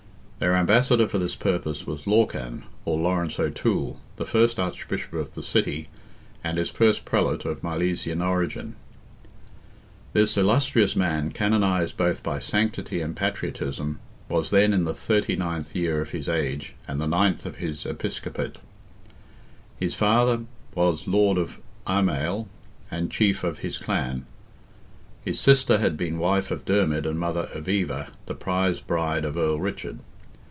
Their ambassador for this purpose was Lorcan, or Lawrence O'Toole, the first Archbishop of the city, and its first prelate of Milesian origin. This illustrious man, canonized both by sanctity and patriotism, was then in the thirty ninth year of his age, and the ninth of his episcopate. His father was lord of Imayle and chief of his clan; his sister had been wife of Dermid and mother of Eva, the prize bride of Earl Richard.